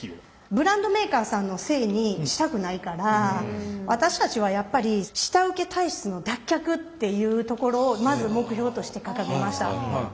ブランドメーカーさんのせいにしたくないから私たちはやっぱり下請け体質の脱却っていうところをまず目標として掲げました。